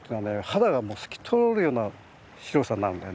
肌がもう透き通るような白さになるんだよね。